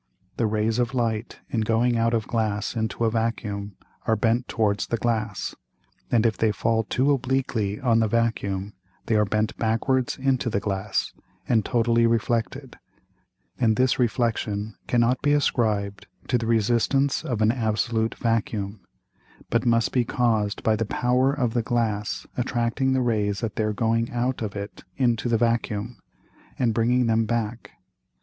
The Rays of Light in going out of Glass into a Vacuum, are bent towards the Glass; and if they fall too obliquely on the Vacuum, they are bent backwards into the Glass, and totally reflected; and this Reflexion cannot be ascribed to the Resistance of an absolute Vacuum, but must be caused by the Power of the Glass attracting the Rays at their going out of it into the Vacuum, and bringing them back.